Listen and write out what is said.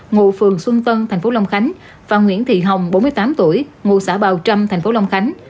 ngủ phường xuân tân tp long khánh và nguyễn thị hồng bốn mươi tám tuổi ngủ xã bào trâm tp long khánh